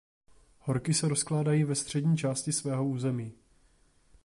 Horky se rozkládají ve střední části svého území.